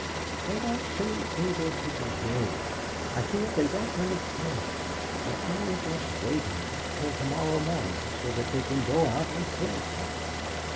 "They don't seem able to be gay. I feel they don't really care about it. They're only just waiting till to morrow morning, so that they can go out and kill something.